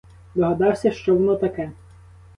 Догадався, що воно таке.